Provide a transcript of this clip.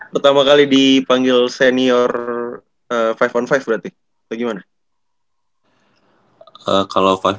pertama kali dipanggil senior lima on lima berarti bagaimana